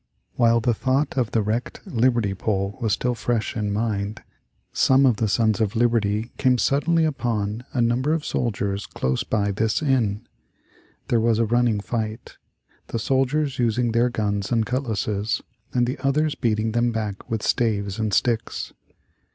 While the thought of the wrecked liberty pole was still fresh in mind, some of the Sons of Liberty came suddenly upon a number of soldiers close by this inn. There was a running fight, the soldiers using their guns and cutlasses and the others beating them back with staves and sticks.